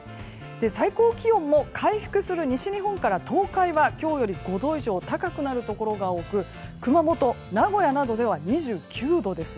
最高気温も回復する西日本から東海は今日より５度以上高くなるところが多く熊本、名古屋などでは２９度です。